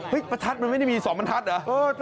เฮ้ยประทัดมันไม่ได้มี๒ประทัดเหรอ